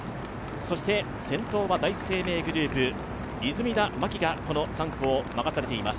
そして、先頭は第一生命グループ、出水田眞紀がこの３区を任されています。